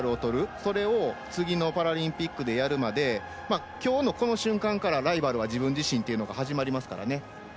それを次のパラリンピックでやるまできょうのこの瞬間からライバルは自分自身というのが始まりますからね。